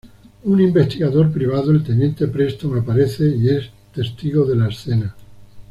Un investigador privado, el teniente Preston, aparece y es testigo de la escena.